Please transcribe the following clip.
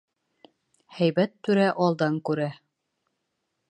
Һәйбәт түрә алдан күрә.